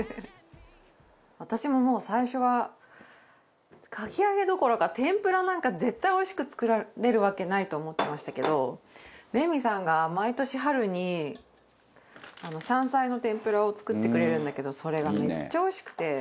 私ももう最初はかき揚げどころか天ぷらなんか絶対おいしく作れるわけないと思ってましたけどレミさんが毎年春に山菜の天ぷらを作ってくれるんだけど。